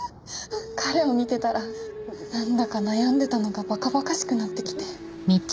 彼を見てたらなんだか悩んでたのが馬鹿馬鹿しくなってきて。